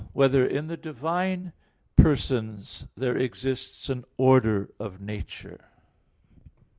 3] Whether in the Divine Persons There Exists an Order of Nature?